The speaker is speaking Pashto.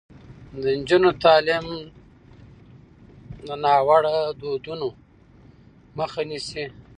د نجونو تعلیم د ناوړه دودونو مخه نیسي.